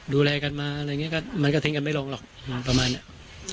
ดูแลกันมาอะไรอย่างนี้ก็มันก็ทิ้งกันไม่ลงหรอกประมาณเนี้ย